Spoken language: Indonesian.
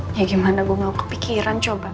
ya gimana gue gak mau kepikiran coba